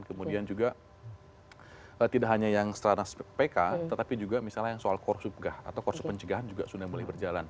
kemudian juga tidak hanya yang setelah nasional pk tetapi juga misalnya yang soal kursus pegah atau kursus pencegahan juga sudah mulai berjalan